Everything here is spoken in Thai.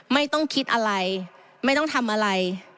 ไม่ต้องคิดอะไรไม่ต้องทำอะไร